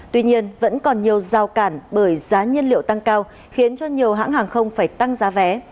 tuy nhiên vẫn còn nhiều giao cản bởi giá nhân liệu tăng cao khiến cho nhiều hãng hàng không phải tăng giá vé